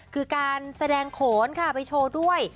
คือการแสดงโขนค่ะไปโชว์ด้วย